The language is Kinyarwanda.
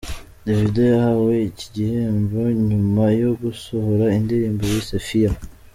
Davido yahawe iki gihembo nyuma yo gusohora indirimbo yise "Fia".